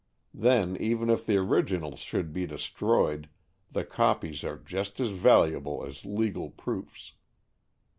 Then, even if the originals should be destroyed, the copies are just as valuable as legal proofs.